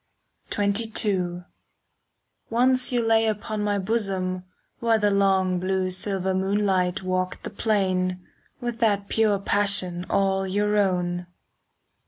XXII Once you lay upon my bosom, While the long blue silver moonlight Walked the plain, with that pure passion All your own.